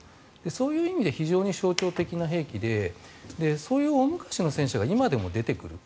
そういう意味で非常に象徴的な兵器でそういう大昔の戦車が今でも出てくる。